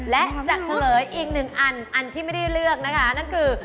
และจะเฉลยอีกหนึ่งอันอันที่ไม่ได้เลือกนะคะนั่นคือ